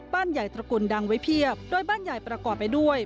ใหญ่ตระกุลดังไว้เพียบโดยบ้านใหญ่ประกอบไปด้วย